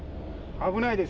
危ないです。